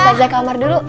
ustazah ke kamar dulu